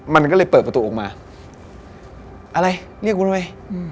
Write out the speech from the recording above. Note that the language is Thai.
มันก็เลยเปิดประตูออกมาอะไรเรียกกูทำไม